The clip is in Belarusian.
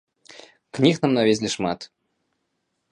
Кніг нам навезлі шмат.